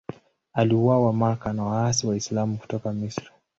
Aliuawa Makka na waasi Waislamu kutoka Misri.